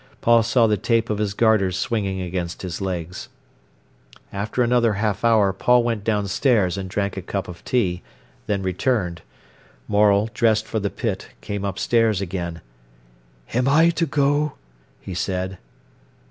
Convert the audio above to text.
Paul saw the tape of his garters swinging against his legs. After another half hour Paul went downstairs and drank a cup of tea, then returned. Morel, dressed for the pit, came upstairs again. "Am I to go?" he said.